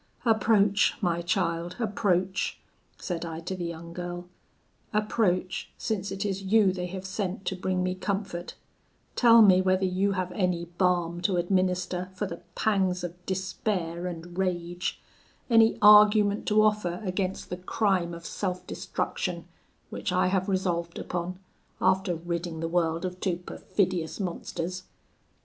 'Approach, my child, approach,' said I to the young girl; 'approach, since it is you they have sent to bring me comfort; tell me whether you have any balm to administer for the pangs of despair and rage any argument to offer against the crime of self destruction, which I have resolved upon, after ridding the world of two perfidious monsters.